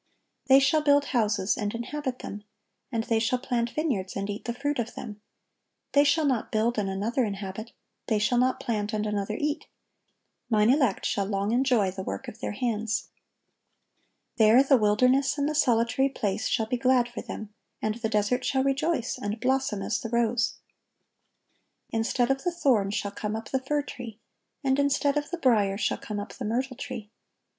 "They shall build houses, and inhabit them; and they shall plant vineyards, and eat the fruit of them, They shall not build, and another inhabit; they shalt not plant, and another eat:... Mine elect shall long enjoy the work of their hands."(1181) There, "the wilderness and the solitary place shall be glad for them; and the desert shall rejoice, and blossom as the rose." "Instead of the thorn shall come up the fir tree, and instead of the brier shall come up the myrtle tree."